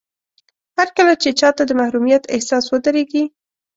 هرکله چې چاته د محروميت احساس ودرېږي.